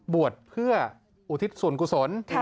บวชเพื่ออุทิศส่วนกุศล